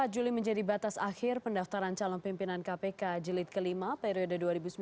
empat juli menjadi batas akhir pendaftaran calon pimpinan kpk jilid ke lima periode dua ribu sembilan belas dua ribu dua puluh